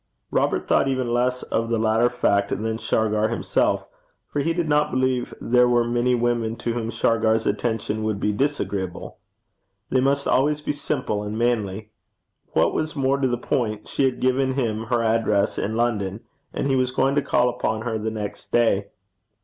Robert thought even less of the latter fact than Shargar himself, for he did not believe there were many women to whom Shargar's attentions would be disagreeable: they must always be simple and manly. What was more to the point, she had given him her address in London, and he was going to call upon her the next day.